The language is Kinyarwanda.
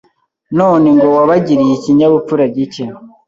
None ngo wabagiriye ikinyabupfura gike